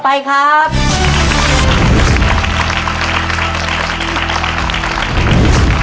เชิญประเรียนมาต่อชีวิตเป็นกวนต่อไปครับ